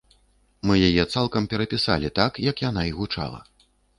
Мы яе цалкам перапісалі, так, як яна і гучала.